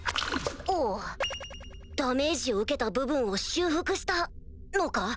ダメージを受けた部分を修復したのか？